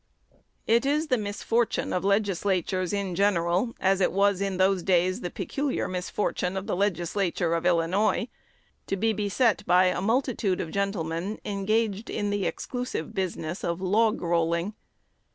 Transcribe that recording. It is the misfortune of legislatures in general, as it was in those days the peculiar misfortune of the Legislature of Illinois, to be beset by a multitude of gentlemen engaged in the exclusive business of "log rolling."